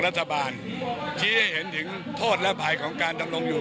รัฐบาลชี้ให้เห็นถึงโทษและภัยของการดำรงอยู่